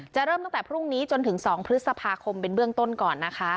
เริ่มตั้งแต่พรุ่งนี้จนถึง๒พฤษภาคมเป็นเบื้องต้นก่อนนะคะ